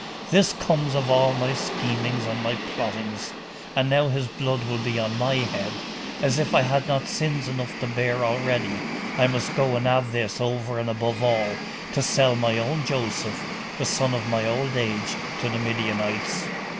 This comes of all my schemings and my plottings! And now his blood will be on my head as if I bad not sins enough to bear already, I must go and add this over and above all, to sell my own Joseph, the son of my old age, to the Midianites!